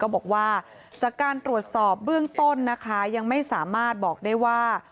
บอกว่าจากการตรวจสอบเบื้องต้นนะคะยังไม่สามารถบอกได้ว่า